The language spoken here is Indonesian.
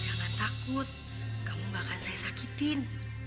jangan takut kamu gak akan saya sakitin